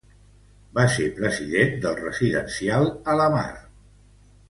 Va ser president del residencial Alamar.